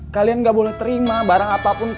kalian gak boleh terima barang apapun